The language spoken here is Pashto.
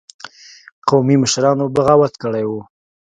قومي مشرانو بغاوت کړی وو.